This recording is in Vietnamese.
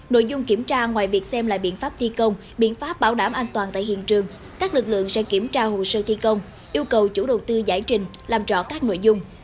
nội dung kiểm tra ngoài việc xem lại biện pháp thi công biện pháp bảo đảm an toàn tại hiện trường các lực lượng sẽ kiểm tra hồ sơ thi công yêu cầu chủ đầu tư giải trình làm rõ các nội dung